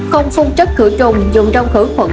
không phun chất cửa trùng dùng trong khử khuẩn